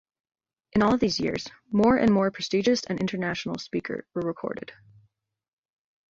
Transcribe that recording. In all of these years, more and more prestigious and international speaker were recorded.